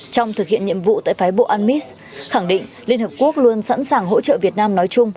trong thực hiện nhiệm vụ tại phái bộ unmiss khẳng định liên hợp quốc luôn sẵn sàng hỗ trợ việt nam